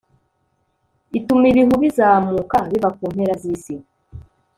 Ituma ibihu bizamuka biva ku mpera zisi